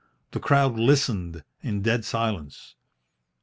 The crowd listened in dead silence.